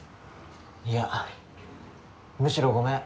いやむしろごめん。